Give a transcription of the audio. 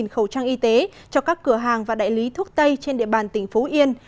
một mươi khẩu trang y tế cho các cửa hàng và đại lý thuốc tây trên địa bàn tỉnh phú yên